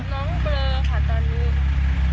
น้องเบลอค่ะตอนนี้